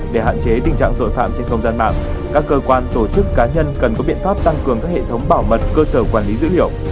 để hạn chế tình trạng tội phạm trên không gian mạng các cơ quan tổ chức cá nhân cần có biện pháp tăng cường các hệ thống bảo mật cơ sở quản lý dữ liệu